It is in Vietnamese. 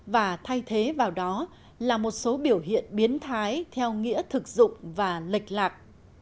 và thay thế vào đó là một số biểu hiện biến thái theo nghĩa thực dụng và lệch lạc